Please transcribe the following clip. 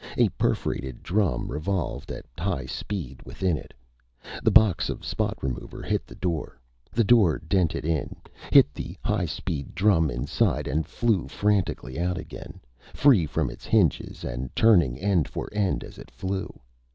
A perforated drum revolved at high speed within it. The box of spot remover hit the door. The door dented in, hit the high speed drum inside, and flew frantically out again, free from its hinges and turning end for end as it flew.